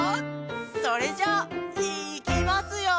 それじゃいきますよ！